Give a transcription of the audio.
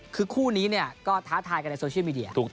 คือคู่นี้เนี่ยก็ท้าทายกันในโซเชียลมีเดีย